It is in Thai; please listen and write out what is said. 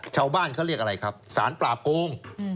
ชาวบ้านเขาเรียกอะไรครับสารปราบโกง